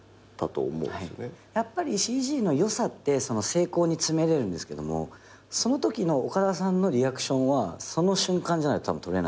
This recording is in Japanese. やっぱりＣＧの良さって精巧に詰めれるんですけどもそのときの岡田さんのリアクションはその瞬間じゃないとたぶん撮れない。